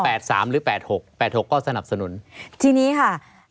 สามหรือแปดหกแปดหกก็สนับสนุนทีนี้ค่ะ